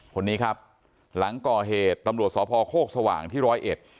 คนนี้ครับหลังก่อเหตุตำรวจสพโคกสว่างที่ร้อยเอ็ด